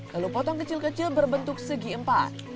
lalu potong kecil kecil berbentuk segi empat